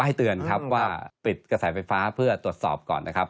ให้เตือนครับว่าปิดกระแสไฟฟ้าเพื่อตรวจสอบก่อนนะครับ